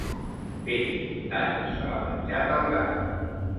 Peix comptat, se l'ha menjat el gat.